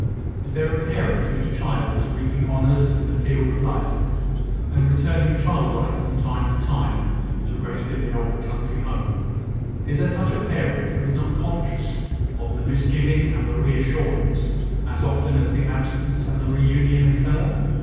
Is there a parent whose child is reaping honours in the field of life, and returning childlike from time to time, to rest in the old country home is there such a parent who is not conscious of the misgiving and the re assurance, as often as the absence and the re union occur?